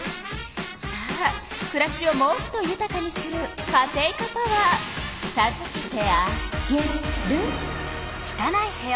さあくらしをもっとゆたかにするカテイカパワーさずけてあげる。